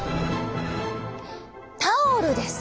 「タオル」です！